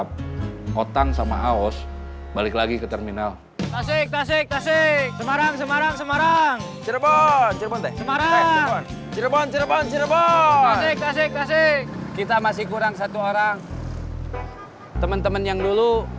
panggilin mama dulu